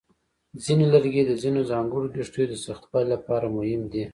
ځینې لرګي د ځینو ځانګړو کښتیو د سختوالي لپاره مهم دي.